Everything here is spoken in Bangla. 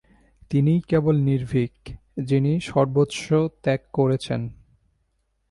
তিনিই কেবল নির্ভীক, যিনি সর্বস্ব ত্যাগ করেছেন।